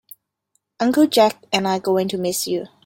Uncle Jack and I are going to miss you.